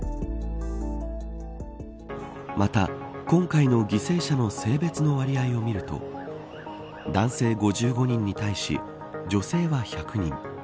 また、今回の犠牲者の性別の割合を見ると男性５５人に対し女性は１００人。